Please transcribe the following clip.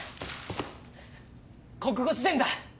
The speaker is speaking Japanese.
国語辞典だ。